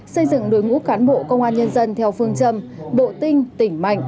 xây dựng đối ngũ cán bộ công an nhân dân theo phương châm bộ tinh tỉnh mạnh